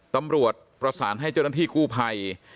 ตำรวจประสานให้เจ้าหน้าที่กู้ภัย